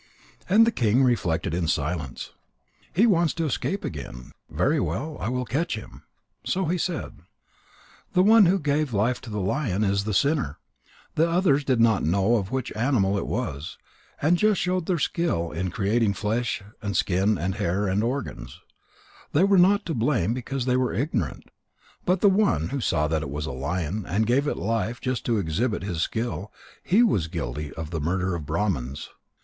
And the king reflected in silence: "He wants to escape again. Very well. I will catch him again." So he said: "The one who gave life to the lion, is the sinner. The others did not know what kind of an animal it was, and just showed their skill in creating flesh and skin and hair and organs. They were not to blame because they were ignorant. But the one who saw that it was a lion and gave it life just to exhibit his skill, he was guilty of the murder of Brahmans."